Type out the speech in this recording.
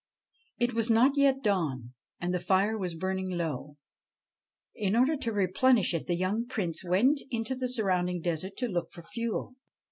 It was not yet dawn, and the fire was burning low. In order to replenish it the young Prince went into the surrounding desert to look for fuel.